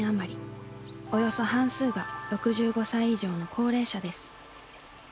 およそ半数が６５歳以上の高齢者です。